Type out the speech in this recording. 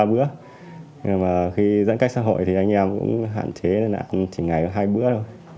nhưng mà khi giãn cách xã hội thì anh em cũng hạn chế nên là ăn chỉ ngày hai bữa thôi